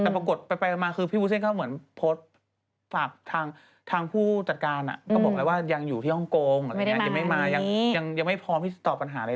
ไม่ใช่เรื่องค่ะรอที่มังไทยเถอะค่ะ